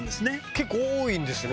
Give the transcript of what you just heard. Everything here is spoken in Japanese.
結構多いんですね。